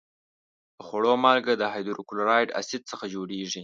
د خوړو مالګه د هایدروکلوریک اسید څخه جوړیږي.